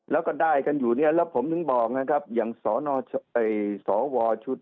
แล้วก็ได้กันอยู่เนี่ยแล้วผมถึงบอกนะครับอย่างสนสวชุด